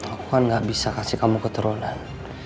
aku kan gak bisa kasih kamu keturunan